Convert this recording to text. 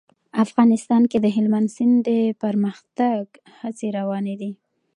افغانستان کې د هلمند سیند د پرمختګ هڅې روانې دي.